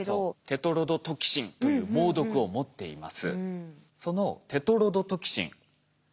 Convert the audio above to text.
テトロドトキシンという猛毒を持っています。